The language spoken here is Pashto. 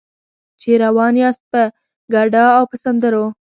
چې روان یاست په ګډا او په سندرو.